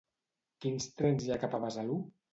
Quins trens hi ha cap a Besalú?